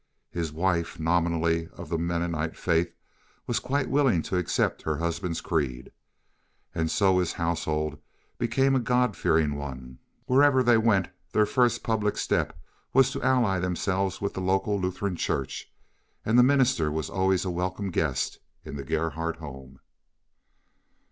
His wife, nominally of the Mennonite faith, was quite willing to accept her husband's creed. And so his household became a God fearing one; wherever they went their first public step was to ally themselves with the local Lutheran church, and the minister was always a welcome guest in the Gerhardt home.